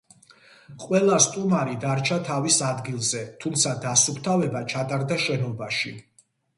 ყველა სტუმარი დარჩა თავის ადგილზე, თუმცა დასუფთავება ჩატარდა შენობაში.